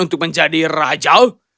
kau tidak akan menjadi raja